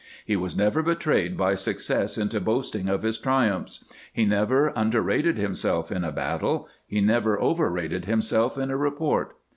He was never betrayed by success into boasting of his triumphs. He never underrated himself in a battle ; he never overrated himself in a report.